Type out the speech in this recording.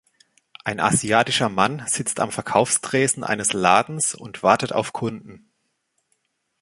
Ein asiatischer Mann sitzt am Verkaufstresen eines Ladens und wartet auf Kunden.